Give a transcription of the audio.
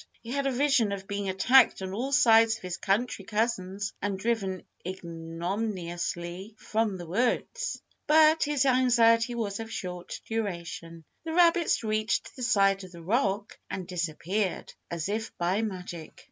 He had a vision of being attacked on all sides by his country cousins and driven ignominiously from the woods. But his anxiety was of short duration. The rabbits reached the side of the rock, and disappeared as if by magic.